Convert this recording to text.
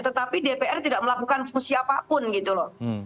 tetapi dpr tidak melakukan siapapun gitu loh